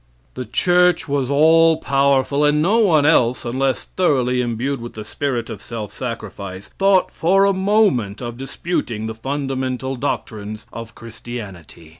The church was all powerful, and no one else, unless thoroughly imbued with the spirit of self sacrifice, thought for a moment of disputing the fundamental doctrines of Christianity.